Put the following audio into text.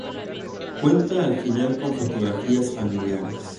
Cuenta al final con fotografías familiares.